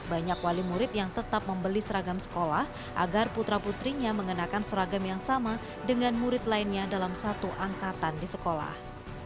banyak wali murid yang tetap membeli seragam sekolah agar putra putrinya mengenakan seragam yang sama dengan murid lainnya dalam satu angkatan di sekolah